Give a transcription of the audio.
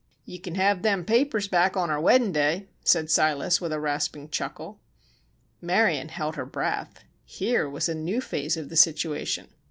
"Yew kin hev them papers back on our weddin' day," said Silas, with a rasping chuckle. Marion held her breath. Here was a new phase of the situation.